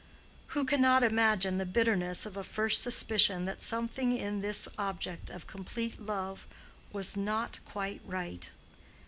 Who cannot imagine the bitterness of a first suspicion that something in this object of complete love was not quite right?